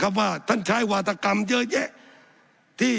สับขาหลอกกันไปสับขาหลอกกันไป